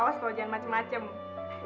besok kita ada tugas ke bandung